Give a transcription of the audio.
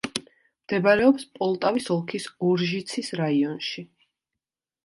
მდებარეობს პოლტავის ოლქის ორჟიცის რაიონში.